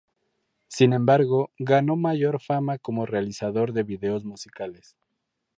Sin embargo, ganó mayor fama como realizador de videos musicales.